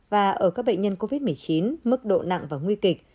và ở các bệnh nhân covid một mươi chín mức độ nặng và nguy kịch